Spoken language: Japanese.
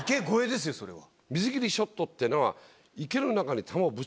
水切りショットっていうのは。